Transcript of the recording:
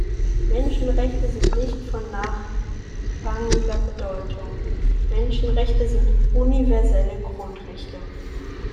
Menschenrechte sind nicht von nachrangiger Bedeutung, Menschenrechte sind universelle Grundrechte!